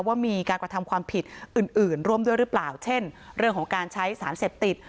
ว่ามีการกระทำความผิดอื่นร่วมด้วยหรือเปล่าเช่นเรื่องของการใช้สารเสพติด